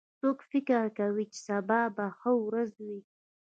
څوک فکر کوي چې سبا به ښه ورځ وي